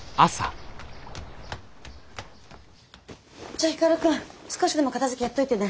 じゃあ光くん少しでも片づけやっといてね。